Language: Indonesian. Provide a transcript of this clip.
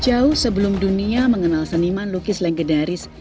jauh sebelum dunia mengenal seniman lukis legendaris